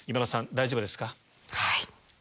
大丈夫ですか？